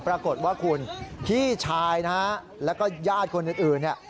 ปรากฏว่าคุณพี่ชายนะฮะแล้วก็ญาติคนอื่นเนี่ย